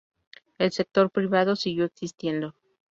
El sector privado siguió existiendo.